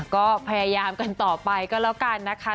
ก็พยายามกันต่อไปก็แล้วกันนะคะ